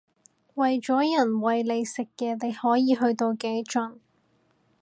為咗人餵你食嘢你可以去到幾盡